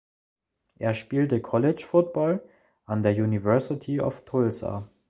Er spielte College Football an der University of Tulsa.